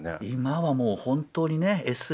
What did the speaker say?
今はもう本当にね